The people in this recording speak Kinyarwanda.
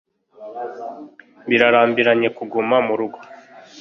birarambiranye kuguma murugo